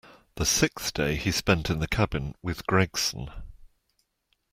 The sixth day he spent in the cabin with Gregson.